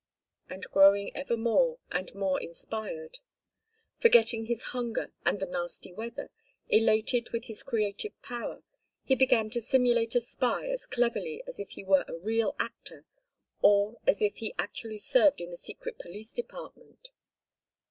And growing ever more and more inspired, forgetting his hunger, and the nasty weather, elated with his creative power, he began to simulate a spy as cleverly as if he were a real actor or as if he actually served in the secret police department.